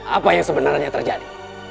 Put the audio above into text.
apa yang sebenarnya terjadi